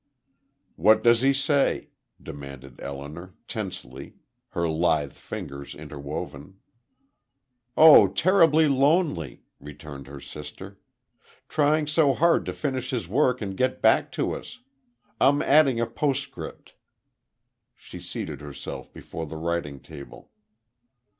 "What does he say?" demanded Elinor, tensely, her lithe fingers interwoven. "Oh, terribly lonely," returned her sister "trying so hard to finish his work and get back to us. I'm adding a postscript." She seated herself before the writing table.